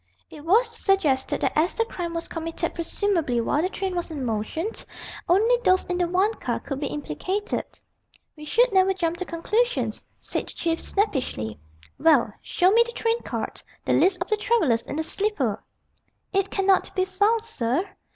It was suggested that as the crime was committed presumably while the train was in motion, only those in the one car could be implicated. "We should never jump to conclusions," said the Chief snappishly. "Well, show me the train card the list of the travellers in the sleeper." "It cannot be found, sir."